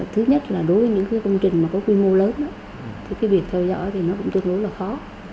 thứ nhất là đối với những công trình có quy mô lớn thì cái việc theo dõi thì nó cũng tuyệt đối là khó